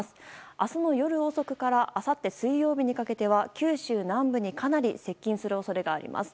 明日の夜遅くからあさって水曜日にかけては九州南部にかなり接近する恐れがあります。